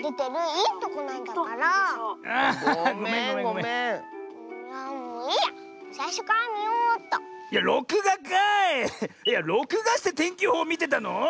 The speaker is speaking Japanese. いやろくがしててんきよほうみてたの？